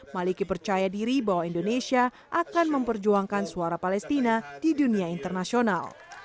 maliki percaya diri bahwa indonesia akan memperjuangkan suara palestina di dunia internasional